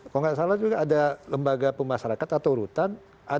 kalau nggak salah juga ada lembaga pemasarakat atau rutan